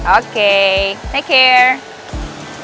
oke jaga diri